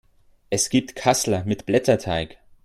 Es gibt Kassler mit Blätterteig.